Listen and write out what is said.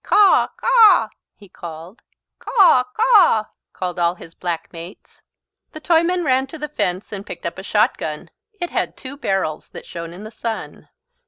"Caw, caw!" he called. "Caw, caw!" called all his black mates. The Toyman ran to the fence and picked up a shotgun. It had two barrels that shone in the sun.